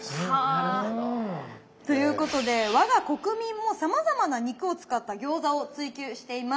なるほど。ということで我が国民もさまざまな肉を使った餃子を追求しています。